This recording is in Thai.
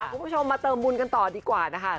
คุณผู้ชมมาเติมบุญกันต่อดีกว่านะคะ